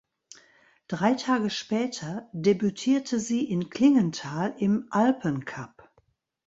Drei Tage später debütierte sie in Klingenthal im Alpencup.